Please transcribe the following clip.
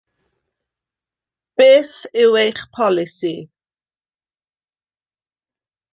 Beth yw eich polisi?